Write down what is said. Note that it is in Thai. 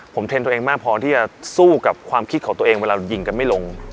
ผมเทรนด์ตัวเองมากพอที่จะสู้กับความคิดของตัวเองเวลาเรายิงกันไม่ลง